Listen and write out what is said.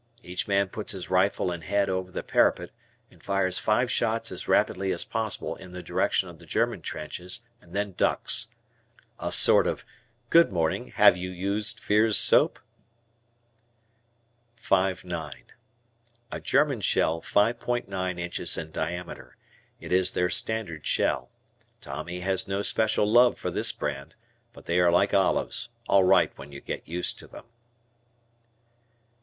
Each man puts his rifle and head over the parapet and fires five shots as rapidly as possible in the direction of the German trenches and then ducks. A sort of "Good morning, have you used Fears Soap?" "Five nine." A German shell 5.9 inches in diameter. It is their standard shell. Tommy has no special love for this brand, but they are like olives, all right when you get used to them.